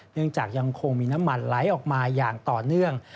ยังคงมีน้ำมันไหลออกมาอย่างต่อเนื่อง